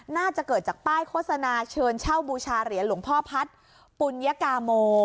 น่าจะเกิดจากป้ายโฆษณาเชิญเช่าบูชาเหรียญหลวงพ่อพัฒน์ปุญกาโม